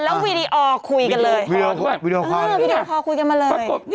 แล้วคุยกันเลยเพราะว่านี่เนี่ย